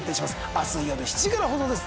明日よる７時から放送です。